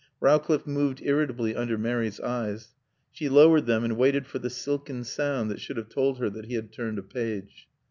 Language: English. Rowcliffe moved irritably under Mary's eyes. She lowered them and waited for the silken sound that should have told her that he had turned a page.